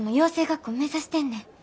学校目指してんねん。